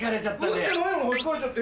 打ってないのに弾かれちゃって。